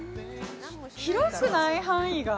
広くない？範囲が。